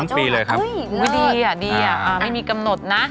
ทั้งปีเลยครับเห้ยเลิศดีอ่ะดีอ่ะไม่มีกำหนดนะ